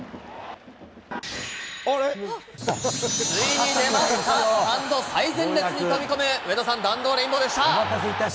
ついに出ました、スタンド最前列に飛び込む、上田さん、弾道レインボーでした。